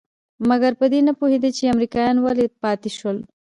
مګر په دې نه پوهېده چې امريکايان ولې پاتې شول.